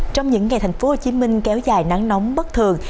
trong những ngày thành phố hồ chí minh kéo dài nắng nóng bất thường